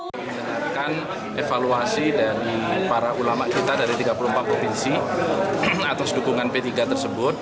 mendengarkan evaluasi dari para ulama kita dari tiga puluh empat provinsi atas dukungan p tiga tersebut